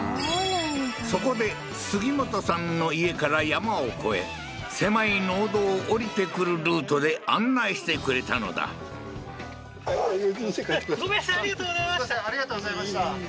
そこで杉本さんの家から山を越え狭い農道を下りてくるルートで案内してくれたのだすいません